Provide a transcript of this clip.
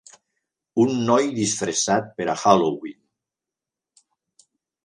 Un noi disfressat per a Halloween.